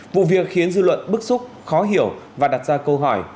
vụ việc khiến dư luận bức xúc khó hiểu và đặt ra câu hỏi